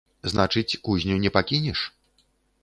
Значыць, кузню не пакінеш?